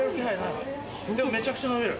でもめちゃくちゃ伸びる。